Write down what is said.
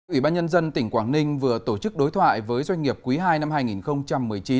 ủy ban nhân dân tỉnh quảng ninh vừa tổ chức đối thoại với doanh nghiệp quý ii năm hai nghìn một mươi chín